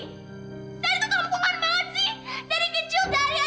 dari kecil dari ajarin aku buat baik sama semua orang